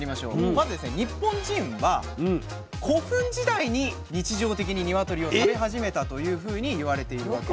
まずですね日本人は古墳時代に日常的にニワトリを食べ始めたというふうにいわれているわけなんです。